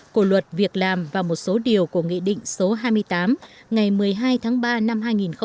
của luật việc làm và một số điều của nghị định số hai mươi tám ngày một mươi hai tháng ba năm hai nghìn một mươi